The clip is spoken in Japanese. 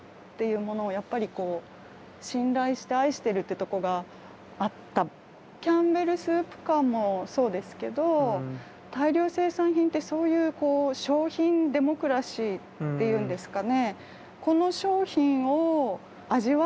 だからウォーホルはキャンベルスープ缶もそうですけど大量生産品ってそういうこう商品デモクラシーっていうんですかね。